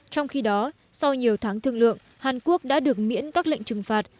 trong khi đó sau nhiều tháng thương lượng hàn quốc đã được miễn các lệnh trừng phạt